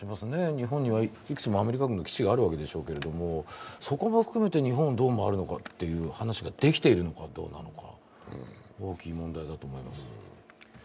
日本にはいくつもアメリカ軍の基地があるわけですけど、そこも含めて日本どう守るのかという話ができているかどうか、大きい問題だと思います。